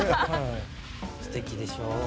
すてきでしょう。